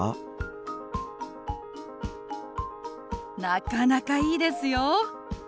なかなかいいですよ。